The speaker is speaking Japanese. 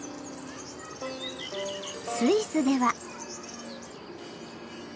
スイスでは。